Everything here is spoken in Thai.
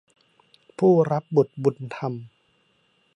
ผู้รับบุตรบุญธรรม